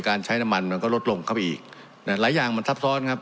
ใช้น้ำมันมันก็ลดลงเข้าไปอีกนะหลายอย่างมันทับซ้อนครับ